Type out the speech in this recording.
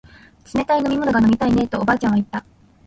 冷たい飲み物が飲みたいねえとおばあちゃんは言った